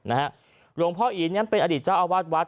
หลวงพ่ออีนั้นเป็นอดีตเจ้าอาวาสวัด